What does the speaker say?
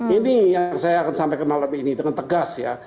ini yang saya akan sampaikan malam ini dengan tegas ya